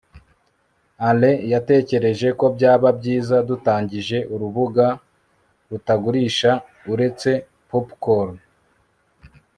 alain yatekereje ko byaba byiza dutangije urubuga rutagurisha uretse popcorn